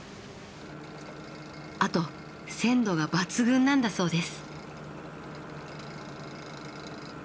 あと鮮度が抜群なんだそうです。